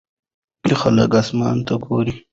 خلک اسمان ته ګوري.